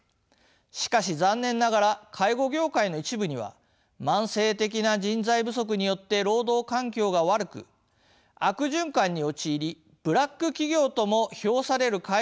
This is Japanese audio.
しかし残念ながら介護業界の一部には慢性的な人材不足によって労働環境が悪く悪循環に陥りブラック企業とも評される介護事業所が少なくありません。